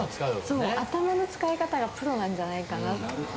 そう頭の使い方がプロなんじゃないかなっていう。